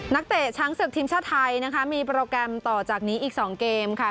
เตะช้างศึกทีมชาติไทยนะคะมีโปรแกรมต่อจากนี้อีก๒เกมค่ะ